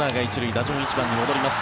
打順は１番に戻ります。